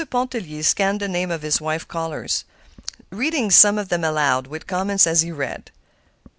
Pontellier scanned the names of his wife's callers, reading some of them aloud, with comments as he read.